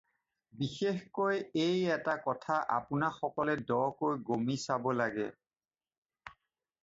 বিশেষকৈ এই এটা কথা আপােনাসকলে দকৈ গমি চাব লাগে।